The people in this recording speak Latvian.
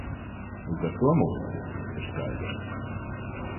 Līdz ar to mūsu attiecības ir skaidras.